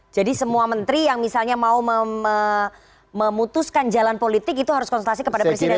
jadi semua menteri yang misalnya mau memutuskan jalan politik itu harus konsultasi kepada presiden